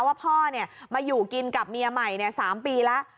ว่าพ่อมาอยู่กินกับเมียใหม่๓ปีแล้ว